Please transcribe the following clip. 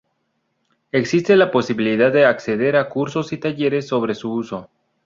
Existe la posibilidad de acceder a cursos y talleres sobre su uso.